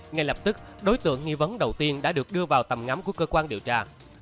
ngay lập tức đối tượng nghi vấn đầu tiên đã được đưa vào tầm ngắm của cơ quan điều tra